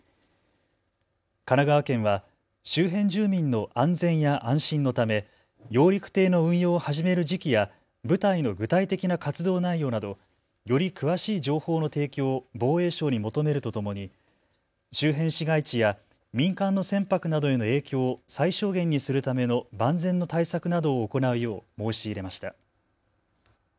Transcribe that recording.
神奈川県は周辺住民の安全や安心のため、揚陸艇の運用を始める時期や部隊の具体的な活動内容などより詳しい情報の提供を防衛省に求めるとともに周辺市街地や民間の船舶などへの影響を最小限にするための万全の対策などを行うよう申し入れました。